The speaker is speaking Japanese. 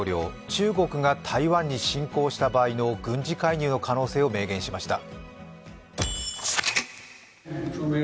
中国が台湾に侵攻した場合の軍事介入の可能性を明言しました。